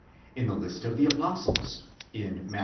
In the lists of the apostles (Matt.